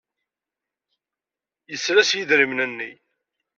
Yesla s yidrimen-nni.